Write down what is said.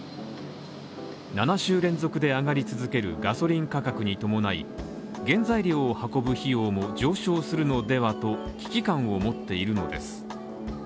７週連続で上がり続けるガソリン価格に伴い、原材料を運ぶ費用も上昇するのではと危機感を持っているのです。